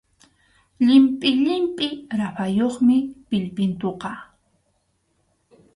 Llimpʼi llimpʼi raprayuqmi pillpintuqa.